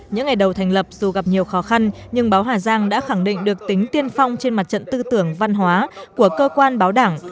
những ngày đầu thành lập dù gặp nhiều khó khăn nhưng báo hà giang đã khẳng định được tính tiên phong trên mặt trận tư tưởng văn hóa của cơ quan báo đảng